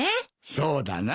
そうだな。